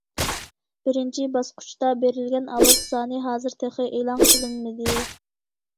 بىرىنچى باسقۇچتا بېرىلگەن ئاۋاز سانى ھازىر تېخى ئېلان قىلىنمىدى.